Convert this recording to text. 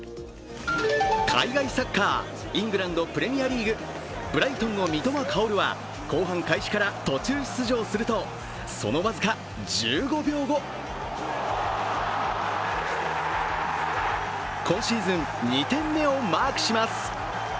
海外サッカー、イングランド・プレミアリーグブライトンの三笘薫は後半開始から途中出場するとその僅か１５秒後今シーズン２点目をマークします。